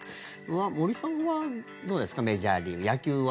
森さんはどうですかメジャーリーグ、野球は。